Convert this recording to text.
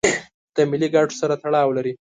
د ملي ګټو سره تړاو لري.